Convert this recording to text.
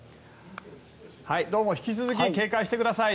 どうも引き続き警戒してください。